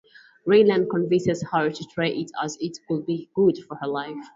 Raylan convinces her to try it as it could be good for her life.